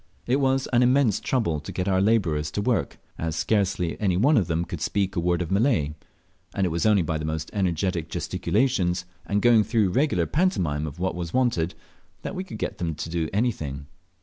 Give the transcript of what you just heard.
It was immense trouble to get our labourers to work, as scarcely one of them could speak a word of Malay; and it was only by the most energetic gesticulations, and going through a regular pantomime of what was wanted, that we could get them to do anything.